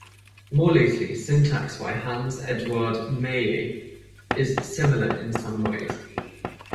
More loosely, Syntax by Hans Eduard Meier is similar in some ways.